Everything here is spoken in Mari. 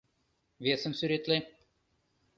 Весым сӱретле.